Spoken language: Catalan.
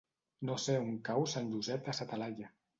No sé on cau Sant Josep de sa Talaia.